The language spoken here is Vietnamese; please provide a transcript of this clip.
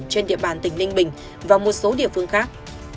trên địa bàn tỉnh ninh bình và một số địa phương khác